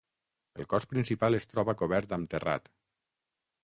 El cos principal es troba cobert amb terrat.